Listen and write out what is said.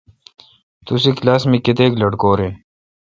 توسی کلاس مہ کتیک لٹکور این۔